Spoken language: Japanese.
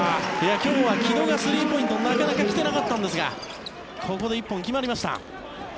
今日は城戸がスリーポイントなかなか来ていなかったんですがここで１本、決まりました。